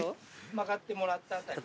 曲がってもらった辺り。